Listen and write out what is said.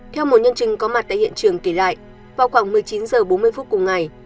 theo một nhân chứng có mặt tại hiện trường kể lại vào khoảng một mươi chín h bốn mươi phút cùng ngày